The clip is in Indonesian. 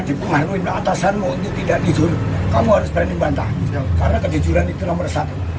dipengaruhi atasanmu untuk tidak tidur kamu harus berani membantah karena kejujuran itu nomor satu